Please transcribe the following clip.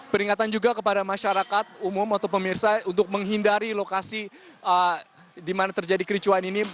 peringatan juga kepada masyarakat umum atau pemirsa untuk menghindari lokasi di mana terjadi kericuan ini